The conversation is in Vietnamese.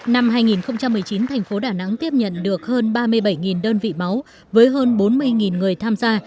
năm hai nghìn một mươi chín thành phố đà nẵng tiếp nhận được hơn ba mươi bảy đơn vị máu với hơn bốn mươi người tham gia